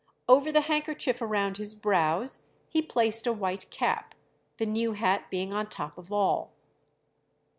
Over the handkerchief around his brows he placed a white cap, the new hat being on top of all.